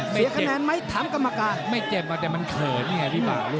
เสียคะแนนมั้ยถามกรรมการไม่เจ็บอ่ะแต่มันเผินยังไงพี่บ่